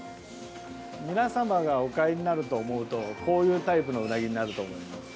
皆様がお買いになると思うとこういうタイプのウナギになると思います。